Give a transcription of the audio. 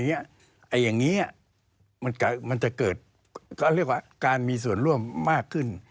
อย่างนี้มันจะเกิดการมีส่วนร่วมมากขึ้น